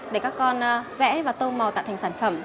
để các con vẽ và tô màu tạo thành